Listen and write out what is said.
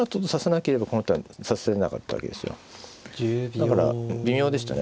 だから微妙でしたね。